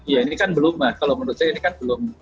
ya ini kan belum kan